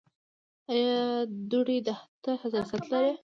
ایا دوړو ته حساسیت لرئ؟